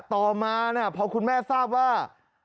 ต่อมาพอคุณแม่ทราบว่า